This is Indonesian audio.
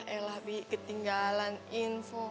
elah bi ketinggalan info